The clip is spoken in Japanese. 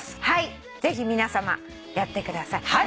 はいぜひ皆さまやってください。